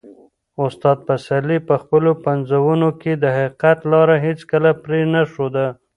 استاد پسرلي په خپلو پنځونو کې د حقیقت لاره هیڅکله پرې نه ښوده.